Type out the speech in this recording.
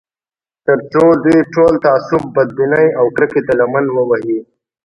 تر څو دوی ټول تعصب، بدبینۍ او کرکې ته لمن ووهي